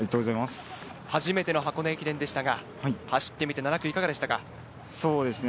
初めての箱根駅伝でしたが走ってみて７区、いかがでしたか？